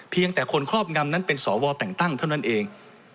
เพียงแต่คนครอบงำนั้นเป็นสวแต่งตั้งเท่านั้นเอง